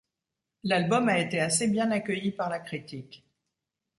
L’album a été assez bien accueilli par la critique.